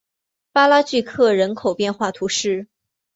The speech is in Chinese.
巴拉聚克人口变化图示